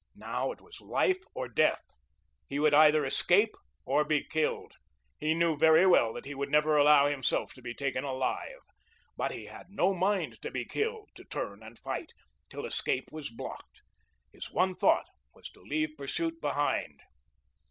Now it was life or death. He would either escape or be killed. He knew very well that he would never allow himself to be taken alive. But he had no mind to be killed to turn and fight till escape was blocked. His one thought was to leave pursuit behind.